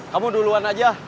kamu duluan aja